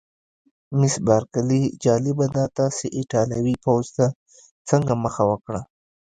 مس بارکلي: جالبه ده، تاسي ایټالوي پوځ ته څنګه مخه وکړه؟